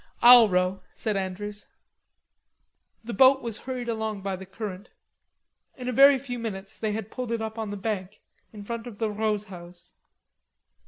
"I'll row," said Andrews. The boat was hurried along by the current. In a very few minutes they had pulled it up on the bank in front of the Rods' house.